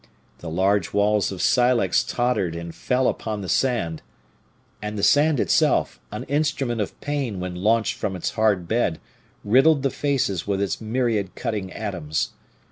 The large walls of silex tottered and fell upon the sand, and the sand itself, an instrument of pain when launched from its hard bed, riddled the faces with its myriad cutting atoms.